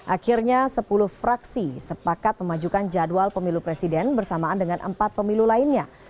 akhirnya sepuluh fraksi sepakat memajukan jadwal pemilu presiden bersamaan dengan empat pemilu lainnya